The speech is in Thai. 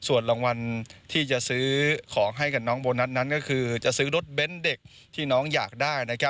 ส่วนรางวัลที่จะซื้อของให้กับน้องโบนัสนั้นก็คือจะซื้อรถเบ้นเด็กที่น้องอยากได้